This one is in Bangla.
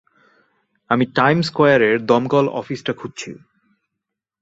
আমি টাইম স্কয়ারের দমকল অফিসটা খুঁজছি।